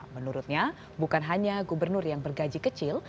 menurutnya bukan hanya gubernur yang bergaji kecil